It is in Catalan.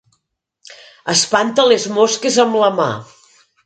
Espanta les mosques amb la mà.